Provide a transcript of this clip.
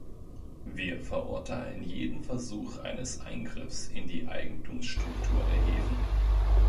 Wir verurteilen jeden Versuch eines Eingriffs in die Eigentumsstruktur der Häfen.